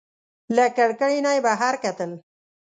له کړکۍ نه یې بهر کتل.